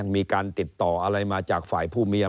นี่นี่นี่นี่นี่